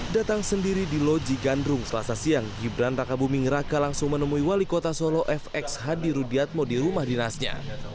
datang sendiri di loji gandrung selasa siang gibran raka buming raka langsung menemui wali kota solo fx hadi rudiatmo di rumah dinasnya